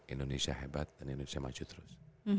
indonesia hebat dan indonesia maju terus